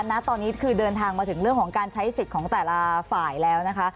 ณตอนนี้คือเดินทางมาถึงเรื่องของการใช้สิทธิ์ของแต่ละฝ่ายแล้วนะคะ